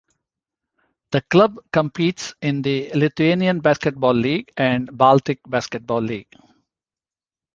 The club competes in the Lithuanian Basketball League and Baltic Basketball League.